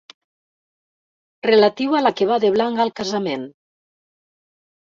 Relatiu a la que va de blanc al casament.